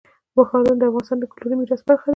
ښارونه د افغانستان د کلتوري میراث برخه ده.